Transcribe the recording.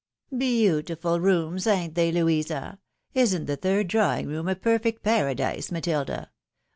" Beautiful rooms ! ain't they, Louisa ? Isn't the third drawing room a perfect paradise, Matilda